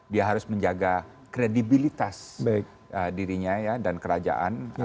dia harus menjaga kredibilitas dirinya dan kerajaan